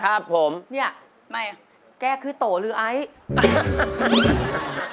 ครับผมเนี่ยไม่แกคือโตหรือไอซ์